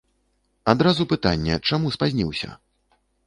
Адразу пытанне, чаму спазніўся?